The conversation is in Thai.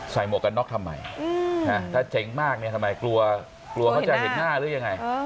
หมวกกันน็อกทำไมถ้าเจ๋งมากเนี่ยทำไมกลัวเขาจะเห็นหน้าหรือยังไง